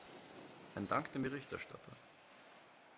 Ein Dank dem Berichterstatter!